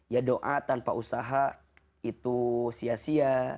ya doa tanpa usaha itu sia sia